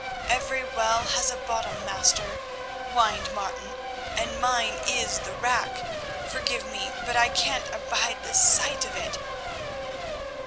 "Every well has a bottom, master," whined Martin, "and mine is the rack. Forgive me, but I can't abide the sight of it."